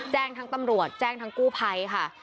แจ้งทั้งตำรวจแจ้งทั้งกู้ภัยค่ะ